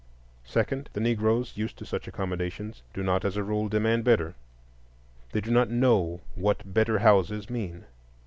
Secondly, the Negroes, used to such accommodations, do not as a rule demand better; they do not know what better houses mean.